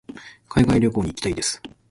海外旅行に行きたいです。